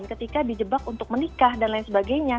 dan ketika di jebak untuk menikah dan lain sebagainya